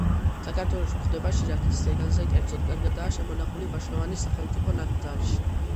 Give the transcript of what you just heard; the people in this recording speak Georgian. საქართველოში გვხვდება შირაქის ზეგანზე, კერძოდ, კარგადაა შემონახული ვაშლოვანის სახელმწიფო ნაკრძალში.